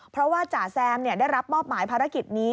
เพราะว่าจ่าแซมได้รับมอบหมายภารกิจนี้